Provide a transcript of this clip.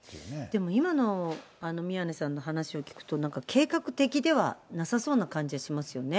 でも今の宮根さんの話を聞くと、なんか計画的ではなさそうな感じがしますよね。